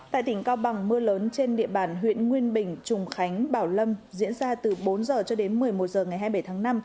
tại tỉnh cao bằng mưa lớn trên địa bàn huyện nguyên bình trùng khánh bảo lâm diễn ra từ bốn h cho đến một mươi một h ngày hai mươi bảy tháng năm